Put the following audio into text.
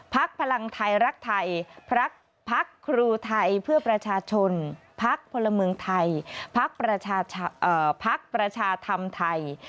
พลังไทยรักไทยพักครูไทยเพื่อประชาชนพักพลเมืองไทยพักประชาธรรมไทย